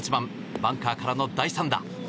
バンカーからの第３打。